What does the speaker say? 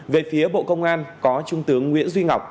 về phía bộ công an có trung tướng nguyễn duy ngọc